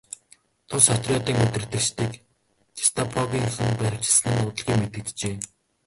Тус отрядын удирдагчдыг гестапогийнхан баривчилсан нь удалгүй мэдэгджээ.